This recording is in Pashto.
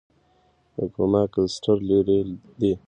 د کوما کلسټر لیرې دی.